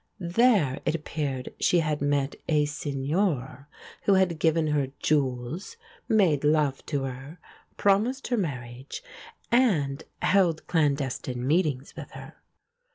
There, it appeared, she had met a "Signore," who had given her jewels, made love to her, promised her marriage, and held clandestine meetings with her.